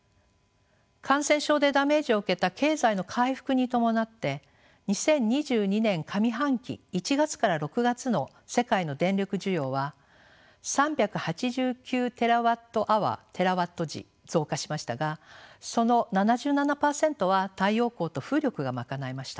感染症でダメージを受けた経済の回復に伴って２０２２年上半期１月から６月の世界の電力需要は３８９ＴＷｈテラワット時増加しましたがその７７％は太陽光と風力が賄いました。